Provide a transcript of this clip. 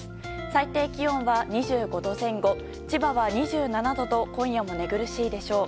最低気温は２５度前後千葉は２７度と今夜も寝苦しいでしょう。